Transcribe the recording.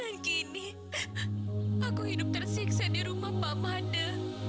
dan kini aku hidup tersiksa di rumah pak mada